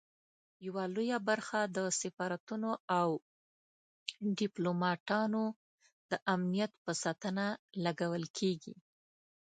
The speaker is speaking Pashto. یوه لویه برخه د سفارتونو او ډیپلوماټانو د امنیت په ساتنه لګول کیږي.